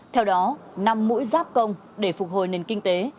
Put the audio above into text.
theo đó năm mũi giáp công để phục hồi nền kinh tế